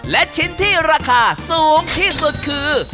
และชิ้นที่ราคาสูงที่สุดคือ